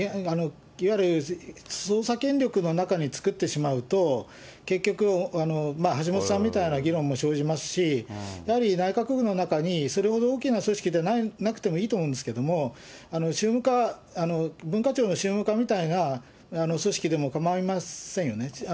いわゆる、捜査権力の中に作ってしまうと、結局、橋下さんみたいな議論も生じますし、やはり内閣府の中にそれほど大きな組織でなくてもいいと思うんですけども、宗務課、文化庁の宗務課みたいな組織でも構いませんよね。